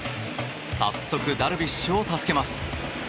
早速、ダルビッシュを助けます。